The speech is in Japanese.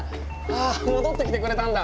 戻ってきてくれたんだ！